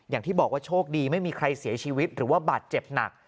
อย่างที่บอกว่าโชคดีไม่มีใครเสียชีวิตหรือว่าบาดเจ็บหนัก